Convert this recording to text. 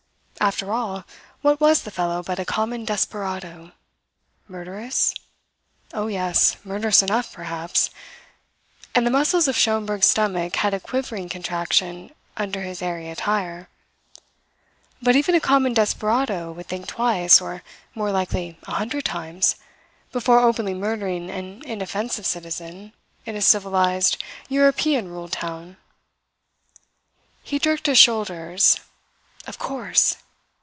After all, what was the fellow but a common desperado? Murderous? Oh, yes; murderous enough, perhaps and the muscles of Schomberg's stomach had a quivering contraction under his airy attire. But even a common desperado would think twice or, more likely, a hundred times, before openly murdering an inoffensive citizen in a civilized, European ruled town. He jerked his shoulders. Of course!